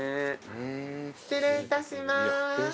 失礼いたします。